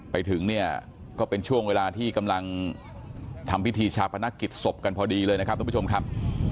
ไปถึงเนี่ยก็เป็นช่วงเวลาที่กำลังทำพิธีชาปนกิจศพกันพอดีเลยนะครับทุกผู้ชมครับ